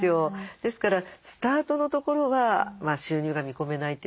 ですからスタートのところは収入が見込めないということ。